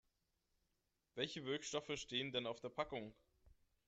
Welche Wirkstoffe stehen denn auf der Packung?